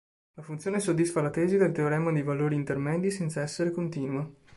La funzione soddisfa la tesi del teorema dei valori intermedi senza essere continua.